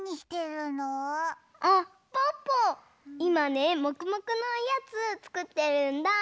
いまねもくもくのおやつつくってるんだ！